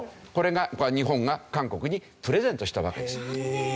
これが日本が韓国にプレゼントしたわけです。